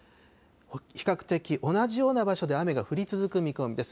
比較的同じような場所で雨が降り続く見込みです。